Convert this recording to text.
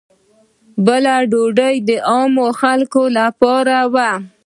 بله ډوډۍ د عامو خلکو لپاره وه.